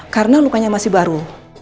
karena lukanya masih baru